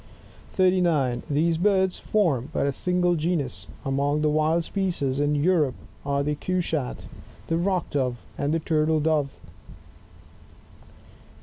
39. These birds form but a single genus ; among the wild species in Europe are the Cushat, the Rock Dove, and the Turtle Dove.